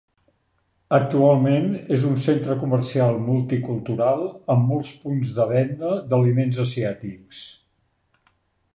Actualment, és un centre comercial multicultural amb molts punts de venda d'aliments asiàtics.